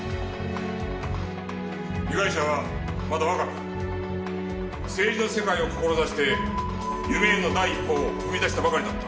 被害者はまだ若く政治の世界を志して夢への第一歩を踏み出したばかりだった。